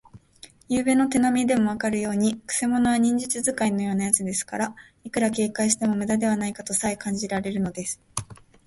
ゆうべの手なみでもわかるように、くせ者は忍術使いのようなやつですから、いくら警戒してもむだではないかとさえ感じられるのです。